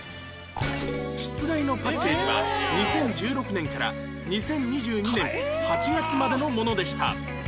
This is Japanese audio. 出題のパッケージは２０１６年から２０２２年８月までのものでした